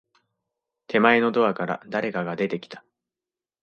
手前のドアから、誰かが出てきた。